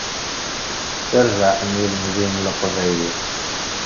Tarbeɛt n yilmeẓyen n leqbayel.